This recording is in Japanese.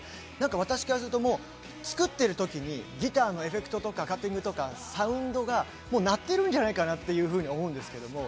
私からすると作ってるときにギターのエフェクトがカッティングとかサウンドがもうなってるんじゃないかなって思うんですけど。